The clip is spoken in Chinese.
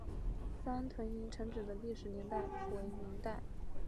三屯营城址的历史年代为明代。